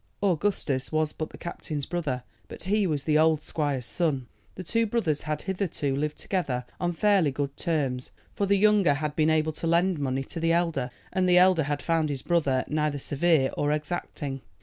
Augustus was but the captain's brother, but he was the old squire's son. The two brothers had hitherto lived together on fairly good terms, for the younger had been able to lend money to the elder, and the elder had found his brother neither severe or exacting.